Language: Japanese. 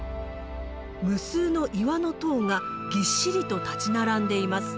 無数の岩の塔がぎっしりと立ち並んでいます。